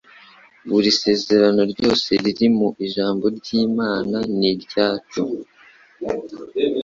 Buri sezerano ryose riri mu ijambo ry'Imana ni iryacu